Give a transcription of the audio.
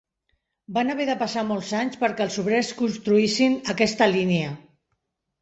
Van haver de passar molts anys perquè els obrers construïssin aquesta línia.